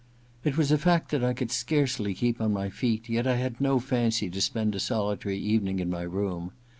It was a fact that I could scarcely keep on my feet ; yet I had no fancy to spend a solitary evening in my room.